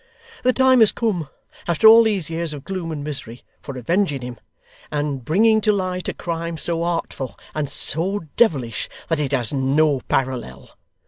The time has come, after all these years of gloom and misery, for avenging him, and bringing to light a crime so artful and so devilish that it has no parallel.